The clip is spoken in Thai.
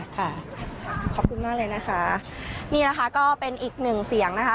ค่ะขอบคุณมากเลยนะคะนี่นะคะก็เป็นอีกหนึ่งเสียงนะคะ